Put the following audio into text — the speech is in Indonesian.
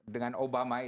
dengan obama itu